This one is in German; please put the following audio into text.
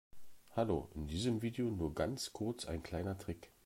Hallo, in diesem Video nur ganz kurz ein kleiner Trick.